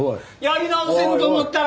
やり直せると思ったら。